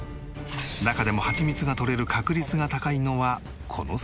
中でもハチミツがとれる確率が高いのはこの巣箱。